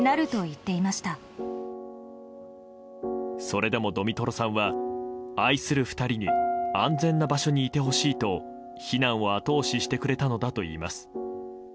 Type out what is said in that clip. それでもドミトロさんは愛する２人に安全な場所にいてほしいと避難を後押ししてくれたのだといいます。